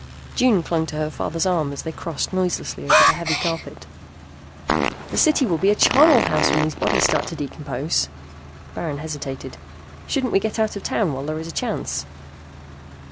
June clung to her father's arm as they crossed noiselessly over the heavy carpet. "The city will be a charnel house when these bodies start to decompose." Baron hesitated. "Shouldn't we get out of town while there is a chance?"